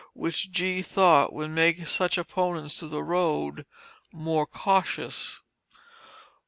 which G. thought would make such opponents to the Road "more cautious."